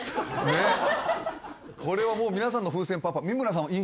これはもう皆さんの風船パンパン三村さん